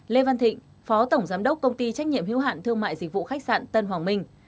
lê văn thịnh phó tổng giám đốc công ty trách nhiệm hữu hạn thương mại dịch vụ khách sạn tân hoàng minh